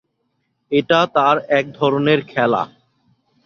এটা তাঁর এক ধরনের খেলা।